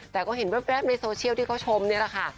แต่ก็เห็นแว๊บในโซเชียลที่เขาชมนี่แหละค่ะ